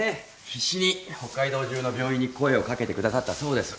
必死に北海道中の病院に声を掛けてくださったそうです。